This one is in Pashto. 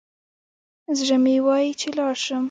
زړه مي وايي چي لاړ شم